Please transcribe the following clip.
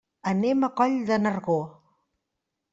Anem a Coll de Nargó.